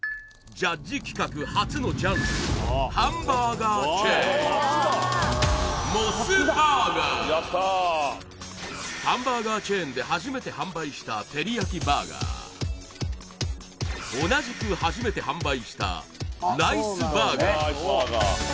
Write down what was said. ジャッジ企画初のジャンルハンバーガーチェーンモスバーガーハンバーガーチェーンで初めて販売したテリヤキバーガー同じく初めて販売したライスバーガー